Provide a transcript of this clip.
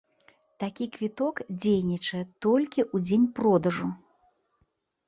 Такі квіток дзейнічае толькі ў дзень продажу.